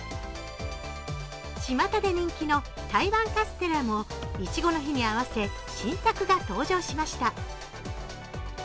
ちまたで人気の台湾カステラもいちごの日に合わせ、新作が登場しました。